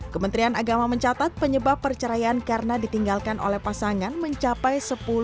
kementerian agama mencatat penyebab perceraian karena ditinggalkan oleh pasangan mencapai sepuluh lima puluh tiga